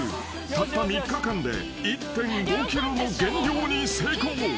たった３日間で１．５ｋｇも減量に成功］